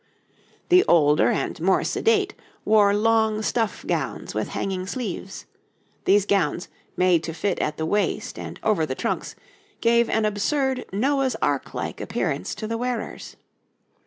The older and more sedate wore long stuff gowns with hanging sleeves; these gowns, made to fit at the waist and over the trunks, gave an absurd Noah's ark like appearance to the wearers.